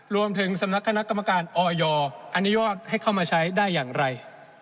สำนักคณะกรรมการออยอนุญาตให้เข้ามาใช้ได้อย่างไร